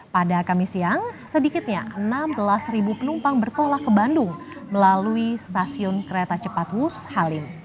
pada kamis siang sedikitnya enam belas penumpang bertolak ke bandung melalui stasiun kereta cepat wus halim